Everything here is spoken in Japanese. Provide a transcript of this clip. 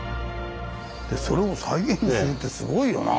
それを再現するってすごいよな。